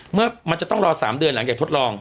เมื่อมันจะต้องรอ๓เดือนหลังจากทดลอง